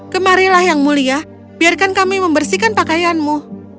kemarilah yang mulia biarkan kami membersihkan pakaianmu